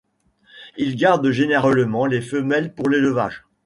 Ils gardent généralement les femelles pour l'élevage.